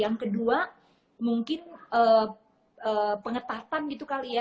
yang kedua mungkin pengetatan gitu kali ya